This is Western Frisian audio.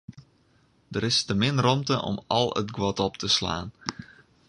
Der is te min rûmte om al it guod op te slaan.